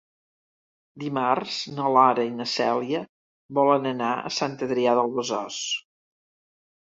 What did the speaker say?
Dimarts na Lara i na Cèlia volen anar a Sant Adrià de Besòs.